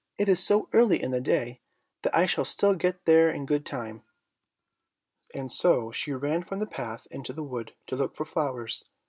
It is so early in the day that I shall still get there in good time;" and so she ran from the path into the wood to look for flowers.